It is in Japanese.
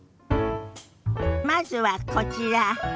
まずはこちら。